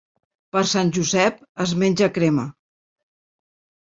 Per Sant Josep es menja crema.